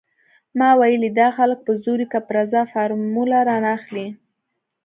ما ويلې دا خلک په زور وي که په رضا فارموله رانه اخلي.